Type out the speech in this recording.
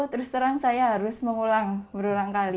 terus terang saya harus mengulang berulang kali